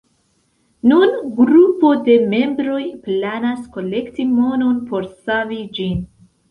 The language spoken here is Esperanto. Nun grupo de membroj planas kolekti monon por savi ĝin.